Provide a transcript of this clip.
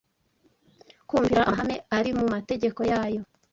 kumvira amahame ari mu mategeko yayo